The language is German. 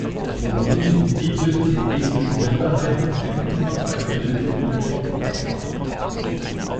Rumänien bietet den ethnischen Minderheiten eine umfangreiche Bildung in ihrer Muttersprache.